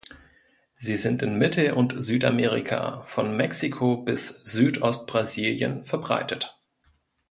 Sie sind in Mittel- und Südamerika, von Mexiko bis Südost-Brasilien, verbreitet.